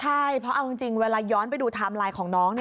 ใช่เพราะเอาจริงเวลาย้อนไปดูไทม์ไลน์ของน้อง